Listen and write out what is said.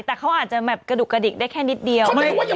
แต่เขาอาจจะแบบกระดุกกระดิกได้แค่นิดเดียว